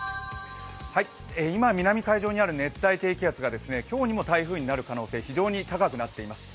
今南海上にある熱帯低気圧が今日にも台風になる可能性、非常に高くなっています。